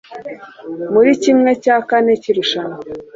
muri kimwe cya kane cy’irushanwa